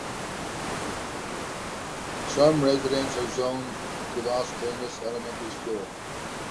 Some residents are zoned to Las Colinas Elementary School.